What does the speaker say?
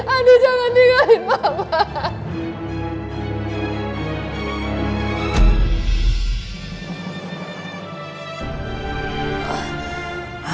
adik jangan tinggalin mama